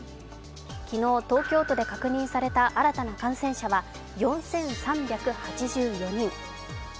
昨日、東京都で確認された新たな感染者は４３８４人。